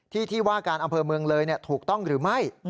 ที่ที่ว่าการอำเภอเมืองเลยถูกต้องหรือไม่